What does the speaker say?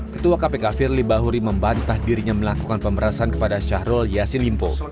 ketua kpk firly bahuri membantah dirinya melakukan pemerasan kepada syahrul yassin limpo